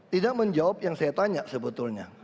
tidak menjawab yang saya tanya sebetulnya